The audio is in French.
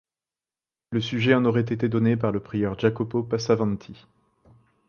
Le sujet en aurait été donné par le prieur Jacopo Passavanti.